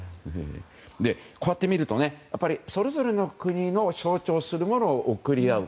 こうやってみるとそれぞれの国の象徴するものを贈り合う。